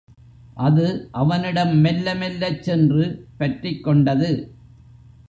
அது அவனிடம் மெல்ல மெல்லச் சென்று பற்றிக் கொண்டது.